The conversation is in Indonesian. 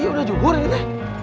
iya udah juhur ini teh